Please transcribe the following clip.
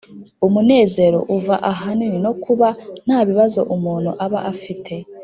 Umunezero uva ahanini nokuba ntabibazo umuntu aba afite